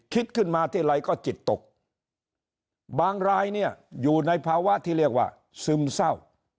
คิดขึ้นมาทีไรก็จิตตกบางรายเนี่ยอยู่ในภาวะที่เรียกว่าซึมเศร้า